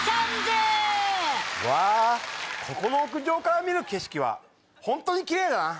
ここの屋上から見る景色は本当にキレイだな。